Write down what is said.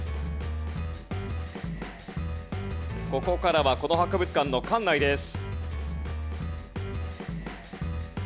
ここからはこの博物館の館内です。